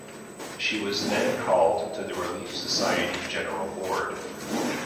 She was then called to the Relief Society general board.